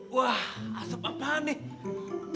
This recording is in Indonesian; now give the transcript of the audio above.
wah asap apaan ini